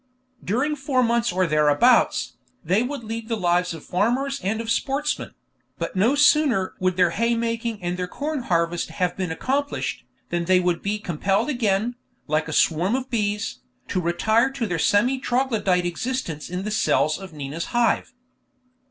During four months or thereabouts, they would lead the lives of farmers and of sportsmen; but no sooner would their haymaking and their corn harvest have been accomplished, than they would be compelled again, like a swarm of bees, to retire to their semi troglodyte existence in the cells of Nina's Hive.